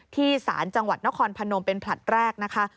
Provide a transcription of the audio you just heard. ศาลจังหวัดนครพนมเป็นผลัดแรกนะคะ